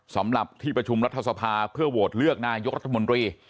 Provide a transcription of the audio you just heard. สำหรับที่ประชุมรัฐสภาเพื่อโหวตเลือกนายกรัฐมนตรี